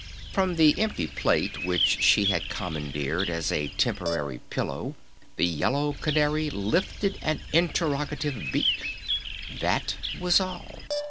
From the empty plate which she had commandeered as a temporary pillow the Yellow Canary lifted an interrogative beak.... That was all!